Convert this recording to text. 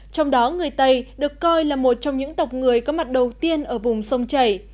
trong đó người tây được coi là một trong những tộc người có mặt đầu tiên ở vùng sông chảy